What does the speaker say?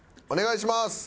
お願いします。